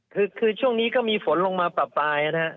คือคือช่วงนี้ก็มีฝนลงมาปรับปลายนะฮะ